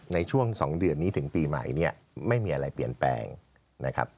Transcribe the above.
ในช่วง๒เดือนนี้ถึงปีใหม่เนี่ยไม่มีอะไรเปลี่ยนแปลงนะครับ